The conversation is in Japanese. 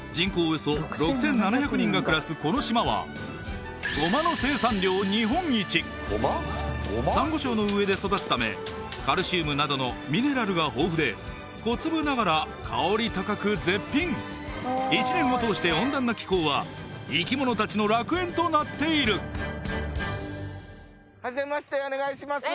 およそ６７００人が暮らすこの島はサンゴ礁の上で育つためカルシウムなどのミネラルが豊富で小粒ながら香り高く絶品一年を通して温暖な気候は生き物達の楽園となっているはじめましてお願いします